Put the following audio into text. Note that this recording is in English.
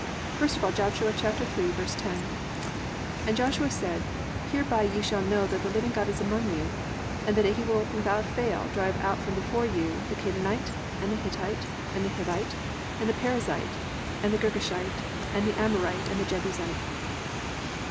First of all Joshua 3:10: +"And Joshua said, Hereby ye shall know that the living God is among you, and that he will without fail drive out from before you the Canaanite, and the Hittite, and the Hivite, and the Perizzite, and the Girgashite, and the Amorite, and the Jebusite."